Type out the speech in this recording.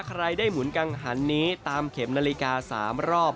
ใครได้หมุนกังหันนี้ตามเข็มนาฬิกา๓รอบ